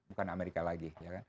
bukan amerika lagi